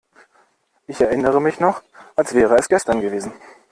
Ich erinnere mich noch, als wäre es gestern gewesen.